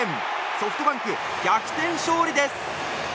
ソフトバンク、逆転勝利です！